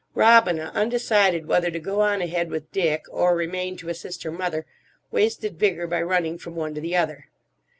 Robina, undecided whether to go on ahead with Dick or remain to assist her mother, wasted vigour by running from one to the other.